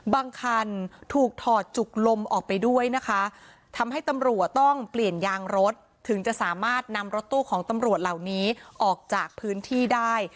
คันถูกถอดจุกลมออกไปด้วยนะคะทำให้ตำรวจต้องเปลี่ยนยางรถถึงจะสามารถนำรถตู้ของตำรวจเหล่านี้ออกจากพื้นที่ได้